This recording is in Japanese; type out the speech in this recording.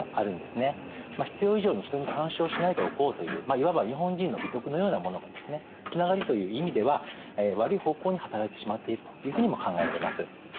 必要以上に人に干渉しないでおこうといういわば日本人の美徳のようなものがですねつながりという意味では悪い方向に働いてしまっているというふうにも考えられます。